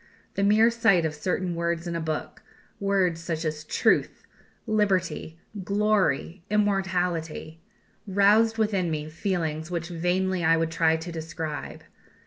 The mere sight of certain words in a book words such as Truth, Liberty, Glory, Immortality roused within me feelings which vainly I would try to describe.